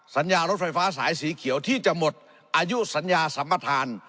สัญญารถไฟฟ้าสายสีเขียวที่จะหมดอายุสัญญาสัมปทาน